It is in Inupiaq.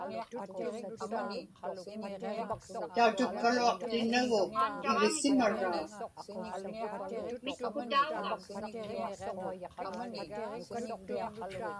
Tautukkaluaqtinnagu igisimaraa.